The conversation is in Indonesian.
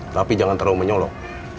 tapi jangan terlalu menyolong